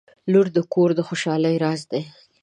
• لور د کور د خوشحالۍ راز دی.